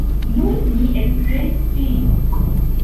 Nun mi elprenis ĝin.